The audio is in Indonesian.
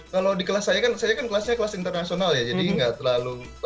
kalau di kelas saya kan saya kan kelasnya kelas internasional ya jadi nggak terlalu